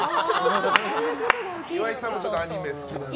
岩井さんもアニメ好きなんで。